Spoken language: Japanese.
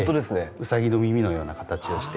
ウサギの耳のような形をして。